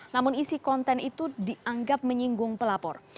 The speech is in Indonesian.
namun isi konten itu dianggap menyinggung pelapor